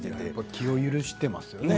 気を許してますよね